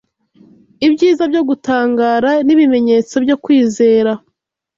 Ibyiza byo gutangara nibimenyetso byo kwizera